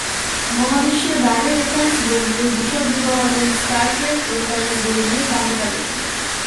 মহাবিশ্বের বাইরের রেফারেন্স বইগুলির বিশদ বিবরণের স্টার ট্রেক রেফারেন্স বইগুলির তালিকা দেখুন।